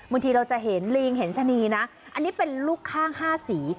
บางทีเราจะเห็นลิงเห็นชะนีนะอันนี้เป็นลูกข้าง๕สี